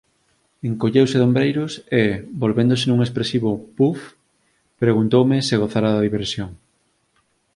Encolleuse de ombreiros e, volvéndose cun expresivo «puf!», preguntoume se gozara da diversión.